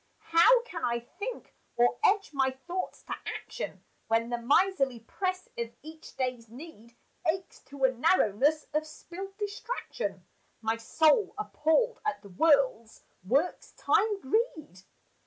How can I think, or edge my thoughts to action, When the miserly press of each day's need Aches to a narrowness of spilled distraction My soul appalled at the world's work's time greed?